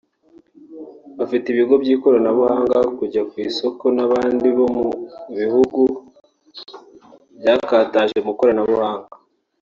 bafite ibigo by’ikoranabuhanga kujya ku isoko n’abandi bo mu bihugu byakataje mu ikoranabuhanga